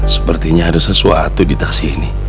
sepertinya ada sesuatu di taksi ini